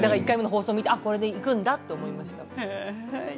１回目の放送を見てこれでいくんだと思いました。